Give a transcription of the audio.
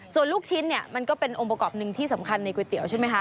ส่วนลูกชิ้นเนี่ยมันก็เป็นองค์ประกอบหนึ่งที่สำคัญในก๋วยเตี๋ยวใช่ไหมคะ